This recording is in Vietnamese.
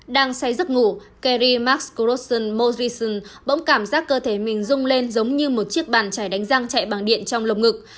đang say giấc ngủ carrie marks grossen morison bỗng cảm giác cơ thể mình rung lên giống như một chiếc bàn chảy đánh răng chạy bằng điện trong lồng ngực